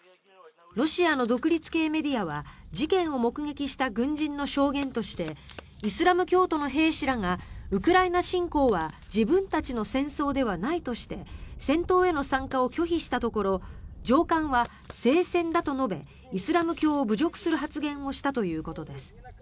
ロシアの独立系メディアは事件を目撃した軍人の証言としてイスラム教徒の兵士らがウクライナ侵攻は自分たちの戦争ではないとして戦闘への参加を拒否したところ上官は聖戦だと述べイスラム教を侮辱する発言をしたということです。